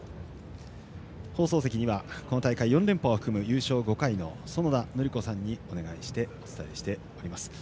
放送席にはこの大会４連覇を含む優勝５回の園田教子さんにお願いして、お伝えしております。